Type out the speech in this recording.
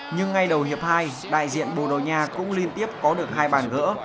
nhưng ngay đầu hiệp hai đại diện bordeaux nha cũng liên tiếp có được hai bàn gỡ